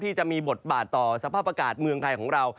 จะมีบทบาทต่อสภาพอากาศเมืองไทยของเรา